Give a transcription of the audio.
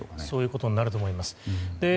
そういうことになると思います。